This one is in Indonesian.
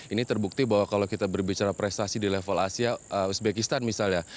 ini terbukti bahwa kalau kita berbicara prestasi di level asia uzbekistan misalnya